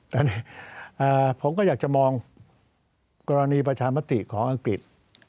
แต่ผมก็อยากจะมองกรณีประชามติของอังกฤษ